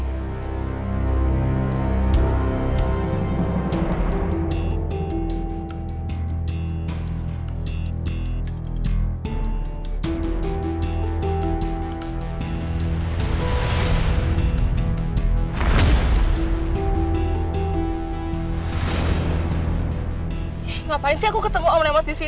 nih ngapain sih aku ketemu om remas disini